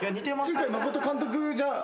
新海誠監督じゃ。